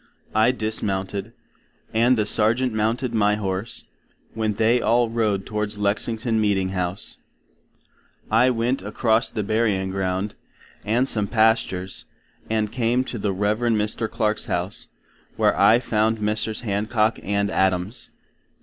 I dismounted, and the Sargent mounted my Horse, when they all rode towards Lexington Meeting House. I went across the Burying ground, and some pastures, and came to the Revd. Mr. Clark's House, where I found Messrs. Hancok and Adams.